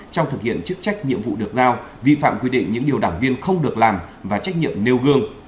trong thực hiện chức trách nhiệm vụ được giao vi phạm quy định những điều đảng viên không được làm và trách nhiệm nêu gương